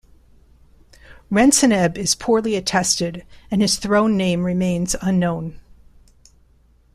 Renseneb is poorly attested and his throne name remains unknown.